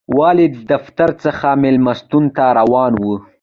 والي دفتر څخه مېلمستون ته روان و.